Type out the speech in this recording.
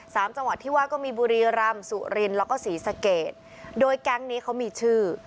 จังหวัดที่ว่าก็มีบุรีรำสุรินแล้วก็ศรีสะเกดโดยแก๊งนี้เขามีชื่อ